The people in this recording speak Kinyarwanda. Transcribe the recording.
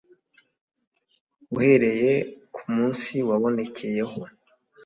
uhereye ku munsi wabonekeyeho